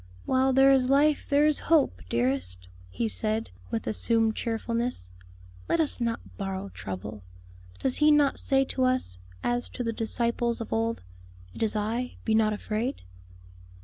"While there is life there is hope, dearest," he said, with assumed cheerfulness. "Let us not borrow trouble. Does He not say to us, as to the disciples of old, 'It is I, be not afraid'?"